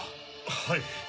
はい。